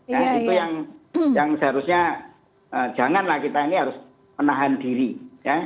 nah itu yang seharusnya janganlah kita ini harus menahan diri ya